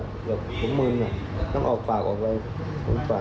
พ่อก็จอกแตกใช่ไหมเค้าก็ใส่อย่างนี้